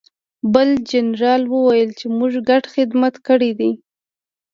بل جنرال وویل چې موږ ګډ خدمت کړی دی